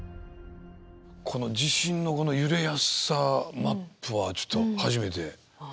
この地震のこの揺れやすさマップはちょっと初めてですねはい。